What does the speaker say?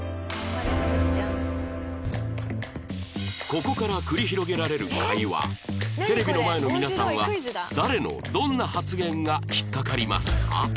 ここから繰り広げられる会話テレビの前の皆さんは誰のどんな発言が引っ掛かりますか？